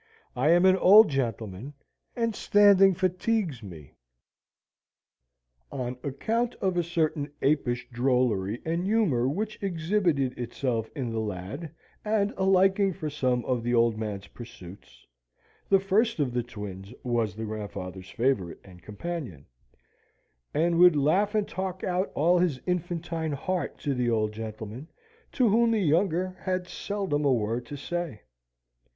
"I am an old gentleman, and standing fatigues me." On account of a certain apish drollery and humour which exhibited itself in the lad, and a liking for some of the old man's pursuits, the first of the twins was the grandfather's favourite and companion, and would laugh and talk out all his infantine heart to the old gentleman, to whom the younger had seldom a word to say.